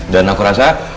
dan aku rasa